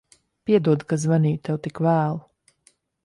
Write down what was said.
Piedod, ka zvanīju tev tik vēlu.